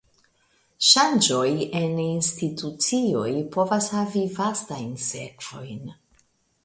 Ŝanĝoj en institucioj povas havi vastajn sekvojn.